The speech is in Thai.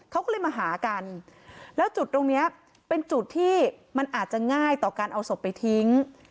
เขาก็เลยมาหากันแล้วจุดตรงนี้เป็นจุดที่มันอาจจะง่ายต่อการเอาศพไปทิ้ง